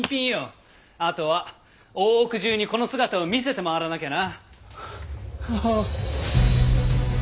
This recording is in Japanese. あとは大奥中にこの姿を見せて回らなきゃな！